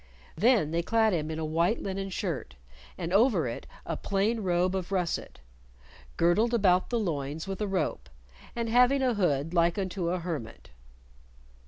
Then they clad him in a white linen shirt, and over it a plain robe of russet, "girdled about the loins with a rope, and having a hood like unto a hermit."